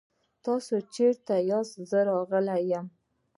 تاسې چيرته ياست؟ زه راغلی يم.